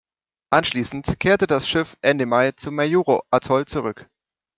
Anschließend kehrte das Schiff Ende Mai zum Majuro-Atoll zurück.